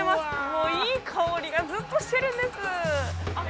もういい香りがずっとしてるんです